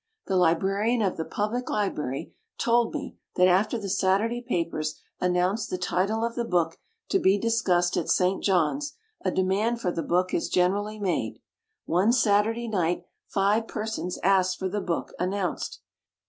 The librarian of the public library told me that after the Saturday papers announce the title of the boolc to be discussed at St. John's, a demand for the boolc is generally made. One Saturday night Ave persons aslced for the book announced.